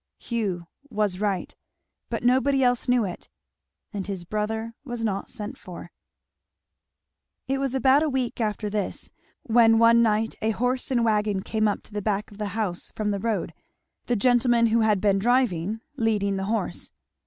Hugh was right. But nobody else knew it, and his brother was not sent for. It was about a week after this, when one night a horse and wagon came up to the back of the house from the road, the gentleman who had been driving leading the horse.